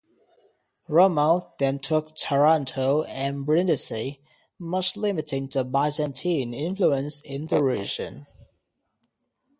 Romuald then took Taranto and Brindisi, much limiting the Byzantine influence in the region.